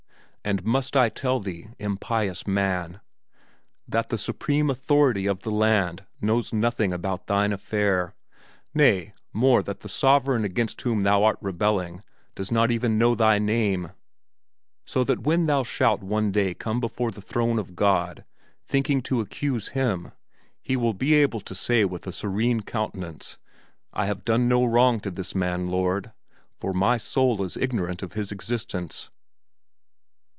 And must I tell thee, impious man, that the supreme authority of the land knows nothing whatever about thine affair nay, more, that the sovereign against whom thou art rebelling does not even know thy name, so that when thou shalt one day come before the throne of God thinking to accuse him, he will be able to say with a serene countenance, 'I have done no wrong to this man, Lord, for my soul is ignorant of his existence.'